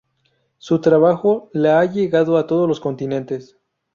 Su trabajo la ha llegado a todos los continentes.